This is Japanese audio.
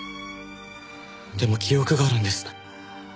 でも記憶があるんです。